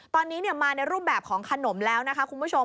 ตอนนี้มาในรูปแบบของขนมแล้วนะคะคุณผู้ชม